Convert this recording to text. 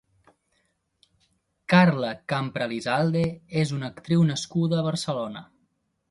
Carla Campralizalde és una actriu nascuda a Barcelona.